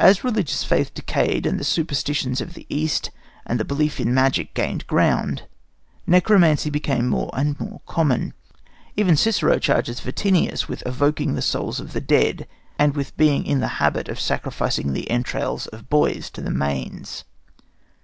As religious faith decayed and the superstitions of the East and the belief in magic gained ground, necromancy became more and more common. Even Cicero charges Vatinius with evoking the souls of the dead, and with being in the habit of sacrificing the entrails of boys to the Manes.